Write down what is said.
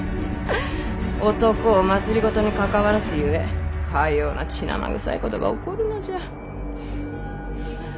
男を政に関わらすゆえかような血生臭いことが起こるのじゃ。